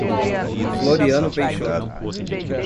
Floriano Peixoto